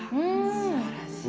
すばらしい。